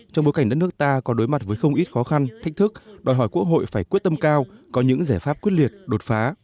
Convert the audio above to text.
trong bối cảnh đất nước ta còn đối mặt với không ít khó khăn thách thức đòi hỏi quốc hội phải quyết tâm cao có những giải pháp quyết liệt đột phá